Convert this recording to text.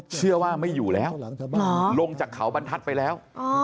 เชื่อว่าไม่อยู่แล้วลงจากเขาบรรทัศน์ไปแล้ว